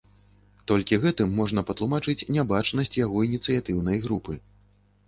Толькі гэтым можна патлумачыць нябачнасць яго ініцыятыўнай групы.